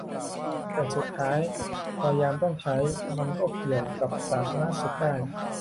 แต่สุดท้ายพอยามต้องใช้ มันก็เกี่ยวกับสาธาณสุขได้